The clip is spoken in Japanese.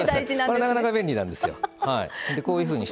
なかなか便利なんですよ。